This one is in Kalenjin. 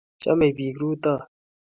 chamei pik rutoi